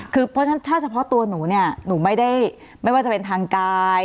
คือถ้าเฉพาะตัวหนูเนี่ยหนูไม่ได้ไม่ว่าจะเป็นทางกาย